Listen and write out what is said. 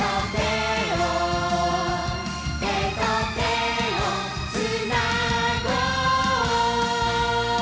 「手と手をつなごう！」